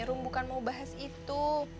erum bukan mau bahas itu